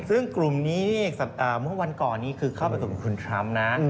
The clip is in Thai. ซึ่งกลุ่มนี้นี่เมื่อวันก่อนนี้คือเข้าไปสมกับคุณทรัมป์นะ